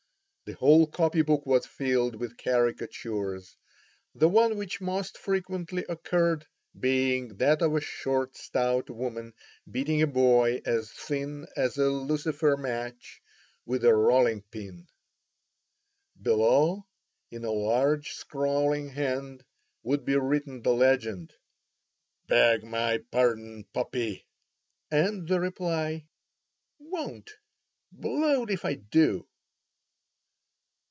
The whole copy book was filled with caricatures, the one which most frequently occurred being that of a short stout woman beating a boy as thin as a lucifer match with a rolling pin. Below in a large scrawling hand would be written the legend: "Beg my pardon, puppy!" and the reply, "Won't! blow'd if I do!"